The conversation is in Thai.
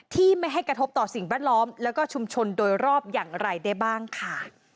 ไม่ให้กระทบต่อสิ่งแวดล้อมแล้วก็ชุมชนโดยรอบอย่างไรได้บ้างค่ะ